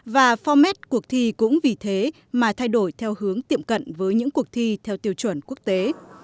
và format cuộc thi cũng vì thế mà thay đổi theo hướng tiệm cận với những cuộc thi theo tiêu chuẩn quốc tế